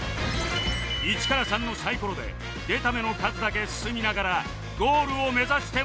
「１」から「３」のサイコロで出た目の数だけ進みながらゴールを目指してもらいます